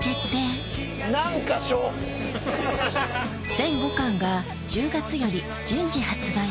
全５巻が１０月より順次発売